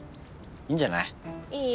いいんじゃない？いい？